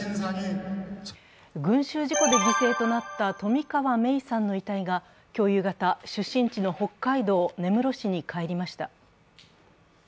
群集事故で犠牲となった冨川芽生さんの遺体が今日夕方、出身地の北海道根室市に帰りました。